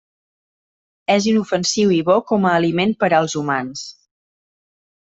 És inofensiu i bo com a aliment per als humans.